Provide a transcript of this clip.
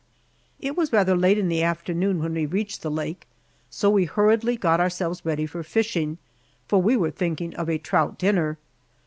It was rather late in the afternoon when we reached the lake, so we hurriedly got ourselves ready for fishing, for we were thinking of a trout dinner.